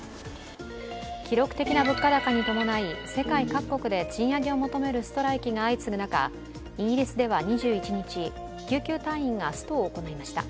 記録的な物価高に伴い世界各国で賃上げを求めるストライキが相次ぐ中、イギリスでは２１日、救急隊員がストを行いました。